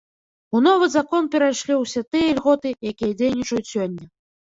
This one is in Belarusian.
У новы закон перайшлі ўсе тыя ільготы, якія дзейнічаюць сёння.